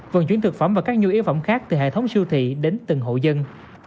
vận chuyển thực phẩm và các nhu yếu phẩm khác từ hệ thống siêu thị đến từng hộ dân